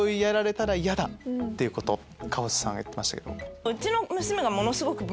夏帆さんが言ってましたけど。